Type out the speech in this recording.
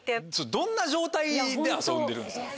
どんな状態で遊んでるんですか？